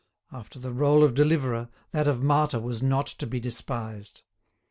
After the role of deliverer, that of martyr was not to be despised.